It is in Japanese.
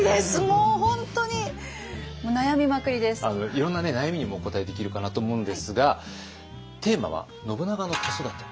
いろんな悩みにもお答えできるかなと思うのですがテーマは「信長の子育て」。